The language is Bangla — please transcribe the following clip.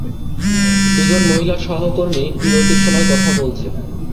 দুজন মহিলা সহকর্মী বিরতির সময় কথা বলছে।